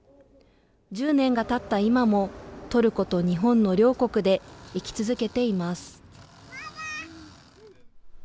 １０年がたった今もトルコと日本の両国で生き続けています。